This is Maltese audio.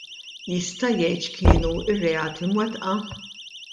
Jista' jgħid x'kienu r-reati mwettqa?